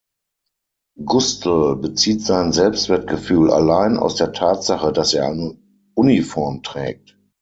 Gustl bezieht sein Selbstwertgefühl allein aus der Tatsache, dass er eine Uniform trägt.